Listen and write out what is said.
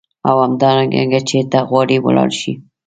او همدارنګه چیرته غواړې ولاړ شې.